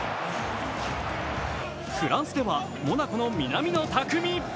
フランスではモナコの南野拓実。